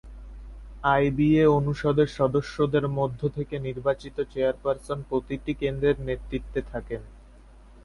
IBA অনুষদের সদস্যদের মধ্য থেকে নির্বাচিত চেয়ারপারসন প্রতিটি কেন্দ্রের নেতৃত্বে থাকেন।